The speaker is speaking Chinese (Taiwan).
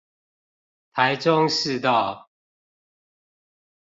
台中市道